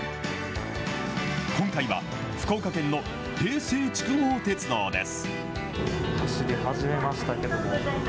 今回は、福岡県の平成筑豊鉄道です。